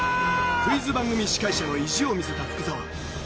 クイズ番組司会者の意地を見せた福澤。